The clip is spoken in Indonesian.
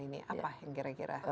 ini apa yang kira kira